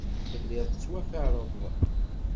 Telliḍ tettwakareḍ.